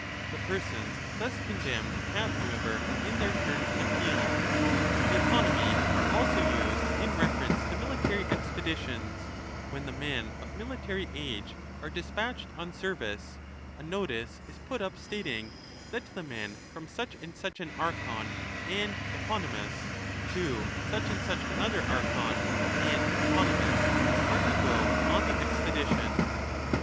The persons thus condemned have, however, in their turn an appeal. The Eponymi are also used in reference to military expeditions ; when the men of military age are despatched on service, a notice is put up stating that the men from such and such an Archon and Eponymus to such H 98 ^ ARISTOTLE ON THE [01.53. and such another Archon and Eponymus are to go on the expedition.